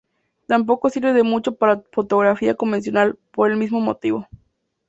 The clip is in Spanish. Tampoco sirve de mucho para fotografía convencional por el mismo motivo.